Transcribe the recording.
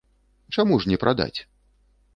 Чаму ж не прадаць?